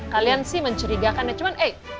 kalian sih mencurigakan ya cuman eh